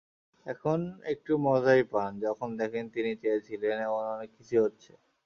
এখন একটু মজাই পান, যখন দেখেন তিনি চেয়েছিলেন, এমন অনেক কিছুই হচ্ছে।